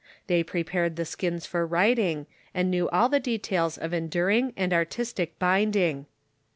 They prepared the skins for writing, and knew all the details of enduring and artistic binding.